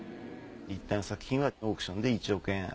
立体の作品はオークションで１億円。